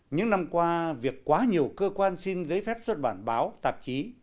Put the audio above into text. những năm qua việc quá nhiều cơ quan xin giấy phép xuất bản báo tạp chí